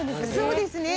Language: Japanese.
そうですね。